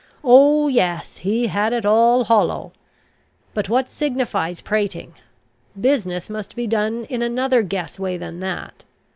Oh, yes, he had it all hollow! But what signifies prating? Business must be done in another guess way than that.